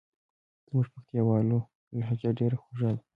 زموږ پکتیکاوالو لهجه ډېره خوژه ده.